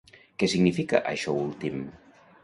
Què significa això últim?